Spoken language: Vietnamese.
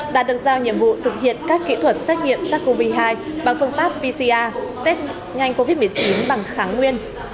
đã được giao nhiệm vụ thực hiện các kỹ thuật xét nghiệm sars cov hai bằng phương pháp pcr test nhanh covid một mươi chín bằng kháng nguyên